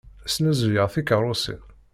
Snuzuyen tikeṛṛusin.